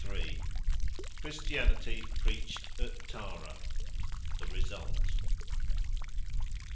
CHRISTIANITY PREACHED AT TARA—THE RESULT.